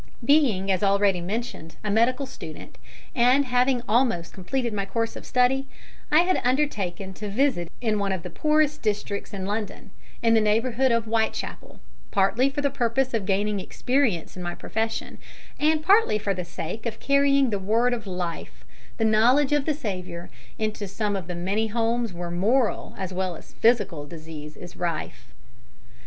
Being, as already mentioned, a medical student, and having almost completed my course of study, I had undertaken to visit in one of the poorest districts in London in the neighbourhood of Whitechapel; partly for the purpose of gaining experience in my profession, and partly for the sake of carrying the Word of Life the knowledge of the Saviour into some of the many homes where moral as well as physical disease is rife.